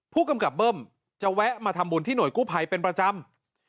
ผู้กำกับเบิ้มจะแวะมาทำบุญที่หน่วยกู้ภัยเป็นประจำ